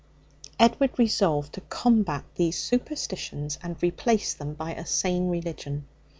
Edward resolved to combat these superstitions and replace them by a sane religion.